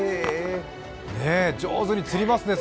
上手に釣りますね